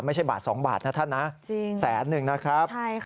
ไม่ใช่บาท๒บาทนะท่านนะแสนหนึ่งนะครับ